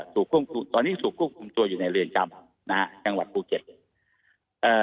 ตอนนี้ถูกควบคุมตัวอยู่ในเรือนจำนะฮะจังหวัดภูเก็ตเอ่อ